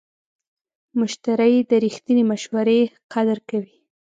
مشتری د رښتینې مشورې قدر کوي.